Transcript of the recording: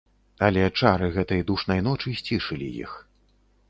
Але чары гэтай душнай ночы сцішылі іх.